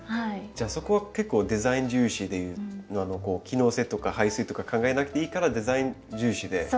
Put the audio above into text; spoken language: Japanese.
じゃあそこは結構デザイン重視で機能性とか排水とか考えなくていいからデザイン重視で。